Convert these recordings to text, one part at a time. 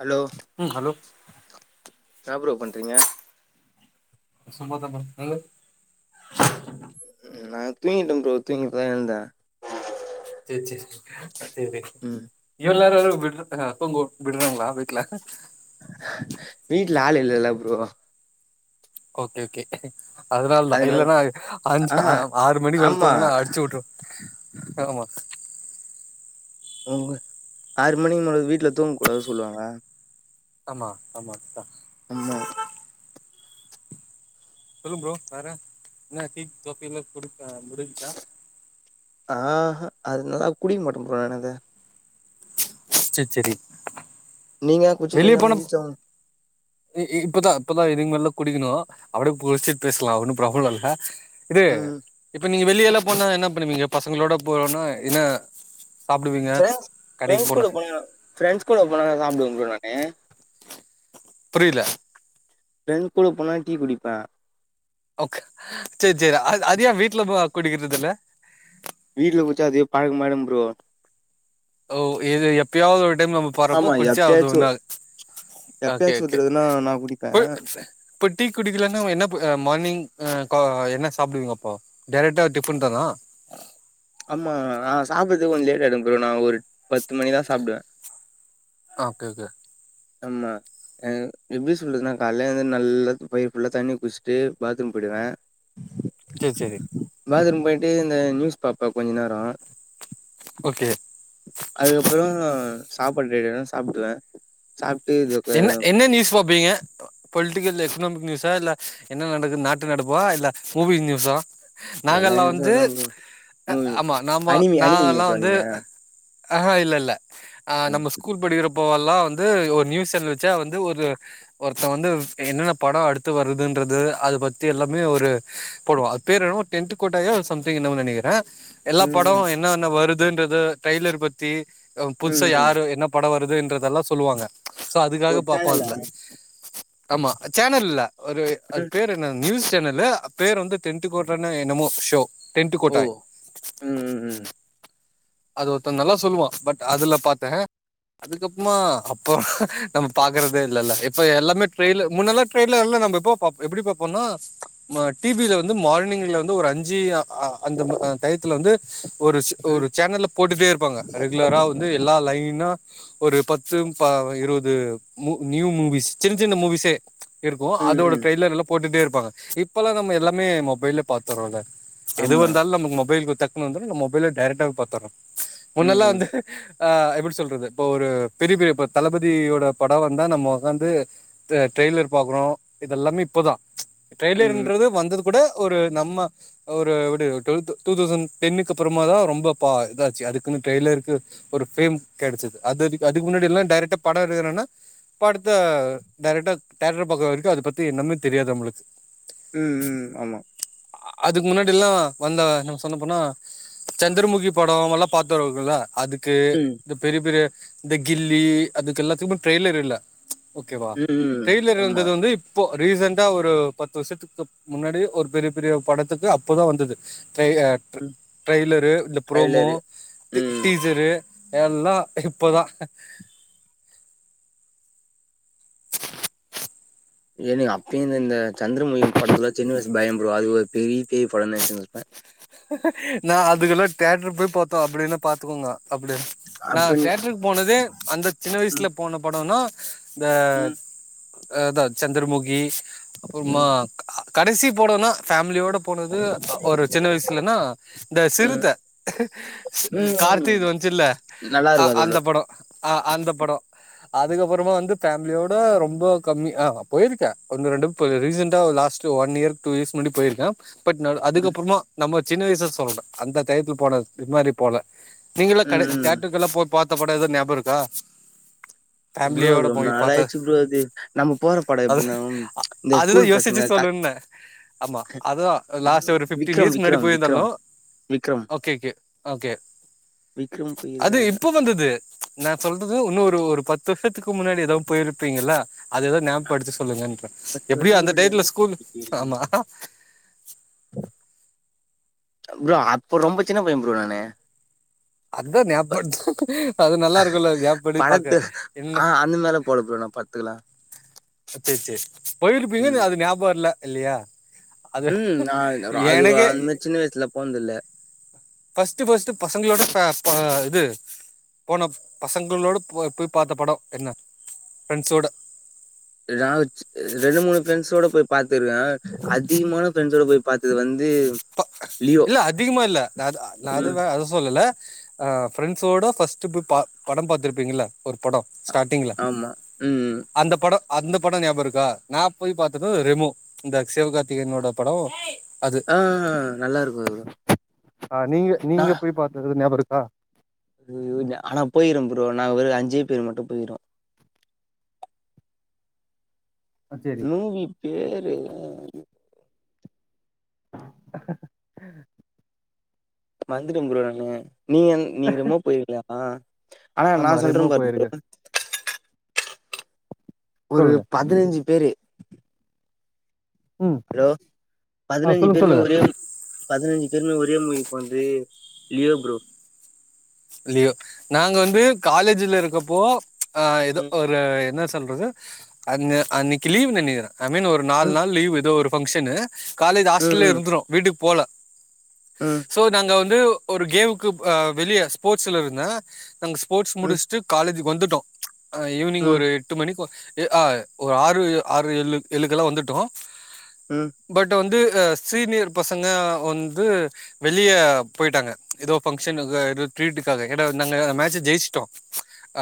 Hello ம் hello என்ன bro பண்றீங்க சும்மாதா ப்ரோ நீங்க நா தூங்கிட்ட ப்ரோ தூங்கி இப்ப தா எழுந்த செரி செரி செரி ம் எல்லாரு விட்ற ஏங்க தூங்கோ விட்றாங்ளா வீட்ல வீட்ல ஆள் இல்லல்ல ப்ரோ ஓகே ஓகே அதனால தா இல்லனா அஞ்ச் ஆ ஆறு மணிக்கு மேல துங்கனா அடிச்சி வுட்ரு ம் ஆமா உங்க ஆறு மணிக்கு மேல வீட்ல தூங்க கூடாது சொல்லுவாங்க ஆமா ஆமா அதா ஆமா சொல்லு ப்ரோ வேற என்ன டீ காபி எல்லா குடி அ முடிஞ்ச்சா ஆ ஹா அதுனெல்லா குடிக்க மாட்ட ப்ரோ நானது செர் செரி நீங்க குட்ச்சிட்டு வந்த மாரிச்சா இ இப்பதா இப்பல்லா இதுக்கு மேல்லா குடிக்கனு அப்படே குளிச்சிட்டு பேஸ்லா ஒன்னு பிர்பளம் இல்ல இது ம் இப்ப நீங்க வெளிய எல்லா போனா என்ன பண்ணுவீங்க பசங்களோட போறோனா என்ன சாப்டுவீங்க ஃப்ரெண்ட்ஸ் ப்ரெண்ட்ஸ் கூட போனா ஃப்ரெண்ட்ஸ் கூட போனாதா சாப்டுவே ப்ரோ நானு புரியில ஃப்ரெண்ட் கூட போனா டீ குடிப்ப ஒகே செர் செரி அது அது ஏ வீட்ல போ குடிக்கிறது இல்ல வீட்ல் குஅச்சா அதே பழக்க ஆயிடு ப்ரோ ஓ இது எப்பியாவது ஒரு டைம் நம்ம போறப்போ ஆமா குடிச்ச அது எப்பயாச்சு ஒன்னு ஆகா ஓகே எப்பயாச்சு ஒரு ஒகே தடவனா நா குடிப்பே போய் இப்ப டீ குடிக்கலனா என்ன போ அ மார்னிங் அ க என்ன சாப்டுவீங்கப்போ டேரைக்டா டிப்பன் தானா ஆமா நா சாப்புறது கொஞ்சோ லேட் ஆய்டு ப்ரோ நா ஒரு பத்து மணிதா சாப்டுவே ஆ ஓகே ஓகே ஆமா அ எப்டி சொல்றதுனா கால்ல வந்து நல்லா வயிர் ஃபுல்லா தண்ணி குடிச்சிட்டு பாத்ரூம் போய்டுவே ச்செ ச்செரி பாத்ரூம் போய்ட்டு இந்த ந்யூஸ் பாப்ப கொஞ்ச நேரு ஓகே அதுக்கப்றோ சாப்பாட் ரெடியான சாப்ட்ரே என்ன என்ன ந்யூஸ் பாப்பீங்க பொலிட்டிக்கல் எக்னாமிக் ந்யூஸா இல்ல என்ன நடக்கு நாட்டு நடப்பா இல்ல மூவிங் ந்யூஸா எல்லா நாங்கல்லா வந்து நியூஸும் தான் ப்ரோ. அ மூவி ஆமா நாம்ம அனிமி நா அனிமி நல்லா நியூஸா வந்து நீங்க? அஹா இல்லல்ல ஆ ம். நம்ம ஸ்கூல் படிக்கிறப்போ வல்லா வந்து ஒர் ந்யூஸ் ட்டர் வச்சா வந்து ஒரு ஒருத்த வந்துவ் என்னென்ன படா அடுத்து வருதுன்றது அத பத்தி எல்லாமே ஒரு போடுவா அத் பேர் என்னவோட் டென்ட்டு கொட்டயோ சம்த்திங் என்னவோ நெனிக்கிற ம், எல்லா படோ ம், என்னா ஹஜ்ன்ன வருதுன்றது டய்லர் பத்தி அ புதுசா ம், ம். யாரு என்னப் பட வருதுன்றதல்லா சொல்லுவாங்க சோ அதுக்காக ஒரு பாப்போ சேனலா? அதுல ஆமா சேனல் இல்ல ஒரு அத் ம். பேர் என்ன ந்யூஸ் சேனல்லு அ பேர் வந்து டென் ட்டு கொட்றனா என்னமோ ஷோ டெண்ட்டு ஓ! கொட்டாய் ம், ம், ம். அது ஒர்த்த நல்லா சொல்லுவா பட் அதல்ல பாத்தே அதுக்கப்புமா அப்பா நம்ம பாக்கற்தே இல்லல இப்ப எல்லாமே ட்ரெய்லு முன்னல்லா ட்ரெய்லர் இல்ல நம்ம இப்போ பாப் எப்டி பாப்போனா மா டிபில வந்து மார்னிங்ல வந்து ஒரு அஞ்சியா ஆ அந்தம்மு அ டய்த்துல வந்து ஒரு ஸு ம், ஒரு சேனல்ல போட்டுட்டே இருப்பாங்க ரெகுலார் ரா வந்து எல்லா லைன்னா ஒரு பத்தும் பா இருவது மு ந்யூ மூவிஸ் சின் சின்ன மூவிஸே இருக்கு ம், அதோட ம். ட்ரெய்லர் அதெல்லாப் போட்டுட்டே இருப்பாங்க இப்பல்லா நம் எல்லாமே மொபைல்ல பாத்துரோல எது ஆமா. வந்தால் நமக்கு மொபைல் குடுத்தக் வந்து மொபைல்ல டைரெக்டாவ் பாத்துரோ ம், முன்னல்லா ம், வந்து ஆ எப்பட் சொல்றது பொ ஒரு பெரி பெரிப்ப தளபதியோட படா வந்தா நம்ம ஒக்காந்து த ட்ரெய்லர் பாக்கறோ இதெல்லாமே இப்பதா ம், ம், ட்ரெய்லர்ன்றது வந்தது கூட ஒரு நம்ம ஒரு எப்டி டு்வல்த் டூ தௌசண்ட் டென்னுக் அப்புறமா தா ரொம்ப பா இதாச்சி அதுக்குன்னு ட்ரெய்லர்க்கு ஒரு ஃப்ரேம் கெடச்சது அதுவரிக்கி அதுக் முன்னாடி எல்லா டைரக்டா பட எருக்குரன்னா படுத்தா டைரக்ட்டா தேட்டர் பக்க வர்க்கு அத பத்தி என்னமே தெரியாது நம்ளுக் ம்ம் ஆமா அதுக் முன்னாடி எல்லா வந்த நம் சொன்ன போனா சந்திரமுகி அவ்ங்கல்லா பாத்துரவுக்குள்ள அதுக்கு ம். து பெரி பெரிய இந்த கில்லி அதுக்கல்லா தும்மு ட்ரெய்லர் இல்லா ஓகே வா ம் ம் ட்ரெய்லர் ஆமா ருந்தது வந்தி ப்போ ரீசண்டா ஒரு பத்து வர்ஸத்துக்கப் முன்னாடி ஒர் பெரிய பெரிய படத்துக்கு அப்பு தா வந்தது ட்ரய்யாட்ரு ம் ட்ரய்லரு இல ப்ரோமோ ட்ரைலரு ம் ஜ்ஜரு எல்லா இப்ப தா எனவே அப்பைய இன் இந்த சந்திரமுகிங் படத்துல சின்ன வய்சு பயம் ப்ரோ அதுஒ பெரிய பேய் படோ நென்ச்சுர் விஸ்ப்பே நா அதுக்குல்லா தேட்டரு போய் பாத்தோ அப்டின்னா பாத்துக்கோங்க அப்டி நா அப்ப ந தேட்ருக் போனதே அந்த சின்ன வய்சுல போன படோன்னா ம் இந்தக் அ தா சந்திரமுகி அப்புற்மா ம் கா கடசி படோன்னா ஃபேமிலியோடப் போனது அ ஒரு சின்ன வய்சு த்துலன்னா இந்த ம் சிறுத்த உ ம் கார்த்தி ம் இது வந்ச்சுல்ல நல்லா ஆ இருக்கு அது கூட அந்த படோ அ அந்த படோ அதுக்கப்பறமா வந்து ஃபேமிலியோட ரொம்ப கம்மி ஆ போயிருக்கே ஒன்னு ரெண்டு இப்ப ரீசன்டா last one year two years முன்னடி போயிருந்தன் பட் நடு ம் அதுக்கப்புறமா நம்ம சின்ன வயசு சொல்ற அந்த டயத்லபோனத் இது மாரி போல நீங்கல்லா ம் கடை ம் தொட்டருக்கல்லா போய் பாத்த படொஎது ஞாப இருக்கா ப்ரோ ஃபேமிலியோட அது ரொம்ப போய் பாத்த நாளாயிடுச்சு ப்ரோ அது நம்ம போற படோ அது எப்டின்னா இந்த அதுதா ஸ்கூல் யோசிச்சி பசங்க க சொல்லுன்னெ ஆம்மா அதா லாஸ்ட்டு ஒரு ஃபிஃப்டின் விக்ரம் இயர்ஸ்க் முன்னாடி விக்ரம் போயிர்ந்தால்லு விக்ரம் விக்ரம் ஒக்கே கே ஓக்கே விக்ரம் அது போயிருக்கே இப்போ வந்தது நா சொல்றது இன்னு ஒரு ஒரு பத்து வர்ஷத்துக்கு முன்னாடி எதாவ் பொயிருப்பீங்கல்ல அது எதோ ஞாப்படுத்தி சொல்லுங்கன்ற பத்து எப்டியோ வருஷத்துக்கு அந்த முன்னாடி டைத்ல எந்த ஸ்கூல்லு படத்துக்கு போயிருக்கே ஆம்மா ப்ரோ அப்போ ரொம்ப சின்ன பைய ப்ரோ நானு அத்தா ஞாபடுத் அது நல்லாருக்குல்ல ஞாபடி பாக்க படத்து ஆ என்ன அந்த மேல போல ப்ரோ நா பட்துக்கலா ச்சே சேர் ம் போயிருப்பீங்கஅது ஞபகொ இல்ல இல்லியா ம் நா அந் ரொ அது சின்ன வய்சுல போன்துல்ல ஃபஸ்ட் ஃபஸ்ட்டு பசங்களோட இது போனப் பசங்களோட போய் போய் படம் என்ன ஃப்ரென்சோட ராஜ் ரெண்டு மூணு ஃப்ரண்ஸோட போய் பாத்துருக்க அதிகமான ஃப்ரண்ஸோட போய் பாத்தது வந்து ப லியோ. இல்ல அதிகமா இல்ல நா அது ஆ நா ம். அதுவா அது சொல்லல ஆ ஃப்ரெண்ஸோட ஃபஸ்டு போ ப படம் பாத்துருப்பீங்கில்ல ஒரு படொ ஸ்டாட்டிங்ல ஆமா. ம். அந்த படொ அந்த படொ ஞபாருக்கா நா போய் பாத்த ரெமோ இந்த சிவோகார்த்திகேய்ன்னோட படொ அது ஆ நல்லாருக்கூ அது ப்ரோ ஆ நீங்க நீங்க போய் பாத்தது ஞாபருக்கா ஐயயோ ஆனா போயிக்கர ப்ரோ நா ஒரு அஞ்சே பேரு மட்டு போயிடுவோ ஆ சேரி நூவி பேரு [inaudible] மறந்துட்டே ப்ரோ நானு நீங்க நீங்க ரெமோ போயிருக்லா ஆ ஆனா நா ஆமா சொல்ற ரெமோ பாரு ப்ரோ போயிருக்கு ஒரு சொல்லுங்க பதினஞ்சுபேரு ம் ஹலோ ஆ சொல்லுங்க பதினஞ்சிபேருமே சொல்லுங்க ஒரே பதினஞ்சு பேருமே ஒரே மாரி போன்து லியோ ப்ரோ லியோ நாங்க வந்து காலேஜ்ல இருக்கப்போ ஆ ஏதோ ம். ஒரு என்னா சொல்றது அன் அன்னைக்கு லீவ் நெனைக்கிறே ஐ மின் ஒரு நாலு ம். நாள் லீவு ஏதோ ஒரு ஃபங்க்ஷன்னு காலேஜ்ஜு ம். ஹாஸ்டல்ல ம். இருந்துரூ வீட்டுக் போல ம் சோ நாங்க வந்து ஒரு கேம்க்கு ஆ வெளியே ஸ்போர்ட்ஸ்லருந்தே நாங் ஸ்போர்ட்ஸ் ம். முடிச்ட்டு காலேஜுக்கு வந்துட்டோ ஆ ஈவினிங் ம் ஒரு எட்டு மணிக் எ ஆ ஒரு ஆறு ஆறு ஏழு ஏழுக்கெல்லா வந்துட்டோ ம் பட் வந்து ஆ சீனியர் பசங்க வந்து வெளிய பொய்டாங்க எதோ ஃபங்சன்னு க இருக் ட்ரீட்டுக்காக எனா நாங்க மேட்ச்சு ஜெயிச்சுட்டோ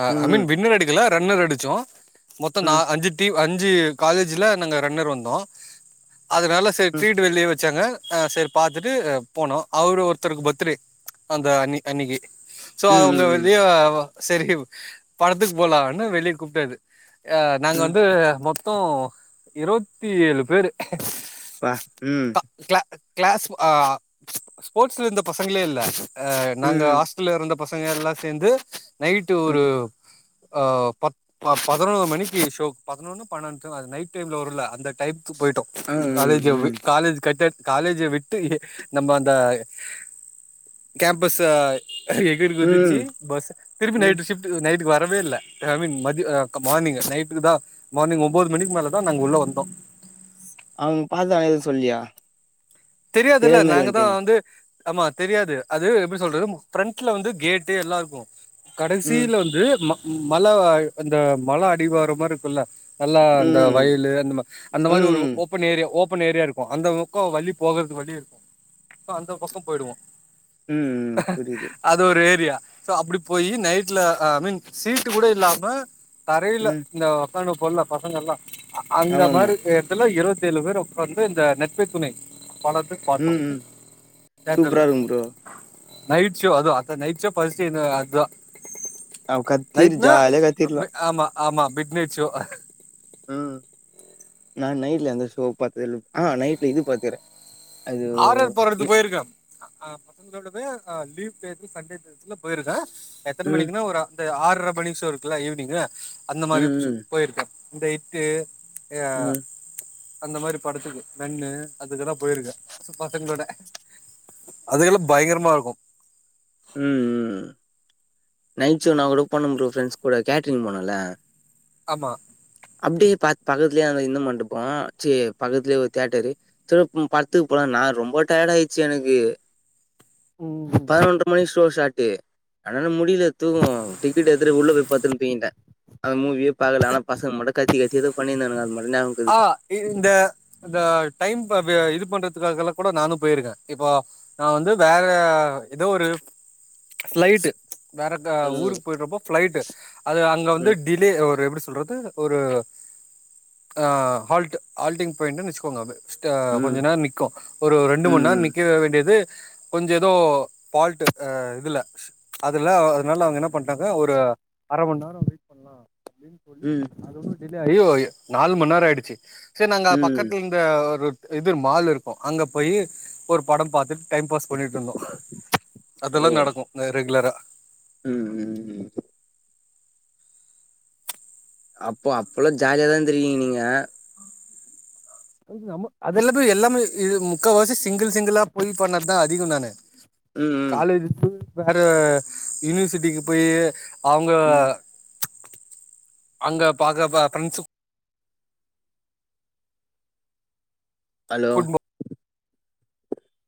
அ ஐன் ம் வீன்னர் அடிக்கல ரன்னர் அடிச்சோ மொத்தொ நா ம் அஞ்சு டீம் அஞ்சு காலேஜ்ல நாங்க ரன்னர் வந்தோ அதுனால தே ம் ஃபீடு வெளிய வெச்சாங்க ஆ செர் பாத்துட்டு போனொ அவரு ஒருத்தருக்கு பர்த்ரே அந்த அன்னி அன்னிக்கு சோ அ அவுங்க ம் வெளிய வ வ செரி படத்துக்கு போலான்னு வெளிய கூப்டாரு ஆ நாங்க ம் வந்து மொத்தோ இருவத்தி ஏழு பேரு ப்பா ம் க்ளா க்ளாஸ் ஒ ஆ ஸ்போர்ட்ஸ்லந்த பசங்ளே இல்ல ஆ நாங்க ம் ஆர்ஸ் ல இருந்த பசங்க எல்லா சேந்து நைட்டு ஒரு ம் பத் பதினொரு மணிக்கு ஷோ பதினொன்ன பன்னெண்டு அது நைட் டைம்ல வருலோ அந்த டைம்க்கு போயிட்டோ ஆ ம் காலேஜ் வ் ம் காலேஜ் கட் அட் காலேஜ விட்டு நம்ம அந்த கேம்பஸ எகிரி குதுச்சி ம் பஸ்ச திருப்பி ம் நைட்டு சிப் டுக்கு நைட்டுக்கு வரவே இல்ல ஐ மீன் மதிய அ மார்னிங் நைட்டுக்கு தா மார்னிங் ஒம்போது மணிக்கு மேல தா நாங்க உள்ள வந்தோ அவுங்க பாத்தாங்க எதுவு சொல்லியா தெரியாதுல்ல தெரியாத மாரி நாங்க தா வந்ட்டீங்க வந்து ஆமா தெரியாது அது எப்டி சொல்றது ப்ரண்ட்ல வந்து கேட்டு எல்லா இருக்கு ம் கடைசீல வந்து ம மல அந்த மல அடிவார மாரி இருக்குல்ல நல்லா அந்த ம் வயலு நம்ப அந்த மாரி ஒரு ம் ஓப்பன் ஏரியா ஓபன் ஏரியா இருக்கு அந்த பக்கோ வலி போகறதுக்கு வழி இருக்கு சோ அந்த பக்கோ போயிடுவோ ம் புரியுது அது ஒரு ஏரியா சோ அப்படி போயி நைட்ல ஐ மீன் சீட்டு கூட இல்லாம தரையில ம் இந்த உக்காந்துனு இருப்போல்ல பசங்கெல்லா அந்த ஆமாமா மாரி தியேட் ருல இருவத்தேழு பேர் உக்காந்து இந்த நட்பே துணை படத்த பாத்தோ ம் ம் சூப்பரா தேட்ருல்ல இருக்கு ப்ரோ நைட் ஷோ அது அந்த நைட் ஷோ ஃபஸ்ட் எனக்கு அதா அவ கத்திரு நைட்னா ஜாலியா கத்திர்லா ஆமா ஆமா மிட் நைட் ஷோ ம் நா நைட்ல எந்த ஷோவு பாத்ததில்ல ஆ நைட்ல இது பாத்துக்கிறே அது ஆறர் இ படத்துக்கு போயிருக்கே ஆ பசங்களோடவே லீவ் டேஸ்ல சண்டே டேஸ்ல போயிருக்கே எத்தன ம் மணிக்குனா ஒரு அந்த ஆர்ற மணி ஷோ இருக்குல்ல ஈவ்னிங்கு அந்த ம் மாரி ம் போயிருக்கே இந்த இட்டு ஏ ம் அந்த மாரி படத்துக்கு நன்னு அதுக்கெல்லா போயிருக்கே பசங்களோட அதுகளெல்லா பயங்கரமா இருக்கு ம் ம் ம் நைட் ஷோ நா கூட போன ப்ரோ ஃப்ரெண்ட்ஸ் கூட கேட்ரிங் போனல்ல ஆமா அப்டியே பாத் பக்கத்துல அந்த இந்த மண்டபோ சீ பக்கத்துலயே ஒரு தேட்டரு திருப்புவு படதுக்கு போலான்னு நா ரொம்ப டயர்ட் ஆயிடுச்சு எனக்கு பதினொன்ற மணிக்கு ஷோ ஷாட்டு அதுனால முடியல தூக்கோ டிக்கடெடுத்துட்டு உள்ள போயி பத்துன்னு தூங்கிட்டே ஆனா மூவியே பாக்கல இவ மட்டு கத்தி கத்தி ஏதோ பண்ணிருந்தானுங்க அது மட்டோ நியாபகோ ஆ இது இந்த இந்த டைம் பாபிய இது பண்றதுக்காகல்லா கூட நானு போயிருக்கே இப்போ நா வந்து வேற ஏதோ ஒரு ஃப்ளைட்டு வேறக்கா ம் ஊருக்கு போயிறப்போ ஃபிளைட்டு அது அங்க வந்து ம் டிலே ஒரு எப்டி சொல்றது ஒரு ஆ ஹால்ட் ஹால்டிங் பாயிண்ட்டுன்னு வச்சுக்கோங்க ஸ்டு கொஞ்ச ம் நேரோ நிக்கோ ஒரு ரெண்டு மணி நேரோ ம் நிக்க வேண்டியது கொஞ்ச ஏதோ ஃபால்டு இதுல அதுல அதனால அவங்க என்ன பண்டாங்க ஒரு அர மணி நேரோ வெயிட் பண்ணலா அப்டின் தோழி ம் அது ஒன்னு டிலே ஆயி ஒரு நாலு மணி நேரோ ஆயிடுச்சி செரி நாங்க ம் பக்கத்தின் த ஒரு இது மால் இருக்கு அங்க போயி ஒரு பட பாத்துட்டு டைம் பாஸ் பண்ணிட்டுருந்தோ ஓ அதெல்லா நடக்கு ரெகுலரா ம் ம் ம் அப்போ அப்பல்லா ஜாலியாதா இருந்துருக்கீங்க நீங்க அதுக்கு நம்ம அதுல போயி எல்லாமே இது முக்காவாசி சிங்கிள் சிங்கிளா போயி பண்ணத்தா அதிகோ நானு ம் ம் காலேஜு டு வேற யூனிவர்சிட்டிக்கு போயி அவுங்க ம் அங்க பாக்க ப பிரின்சு ஹலோ கூட்டு போ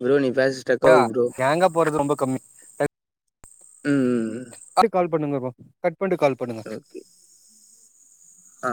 குட்வினிங் ஃபேஸ் கே ஆ கேங்கா போறது ரொம்ப கம்மி ம் ம் ம் கால் பண்ணுங்க போ கட் பண்ணிட்டு கால் பண்ணுங்க ஓகே ஆ